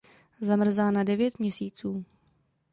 Zamrzá na devět měsíců.